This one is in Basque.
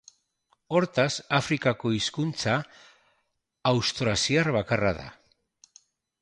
Hortaz, Afrikako hizkuntza austroasiar bakarra da.